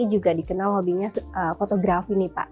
juga dikenal hobinya fotografi nih pak